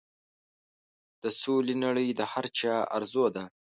د سولې نړۍ د هر چا ارزو ده.